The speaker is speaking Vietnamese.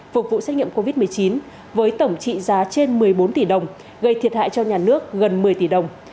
phục vụ xét nghiệm covid một mươi chín với tổng trị giá trên một mươi bốn tỷ đồng gây thiệt hại cho nhà nước gần một mươi tỷ đồng